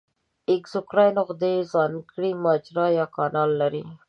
اګزوکراین غدې ځانګړې مجرا یا کانال لري.